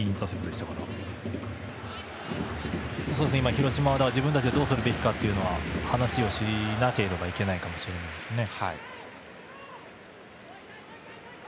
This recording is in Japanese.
広島は今、自分たちでどうすべきかという話をしなければいけないかもしれないですね。